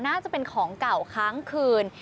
น่าจะเป็นของเก่าค้างคืน